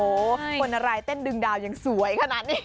โอ้โหคนอะไรเต้นดึงดาวยังสวยขนาดนี้